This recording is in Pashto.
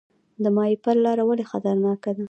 د ماهیپر لاره ولې خطرناکه ده؟